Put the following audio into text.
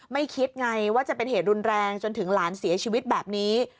คิดไงว่าจะเป็นเหตุรุนแรงจนถึงหลานเสียชีวิตแบบนี้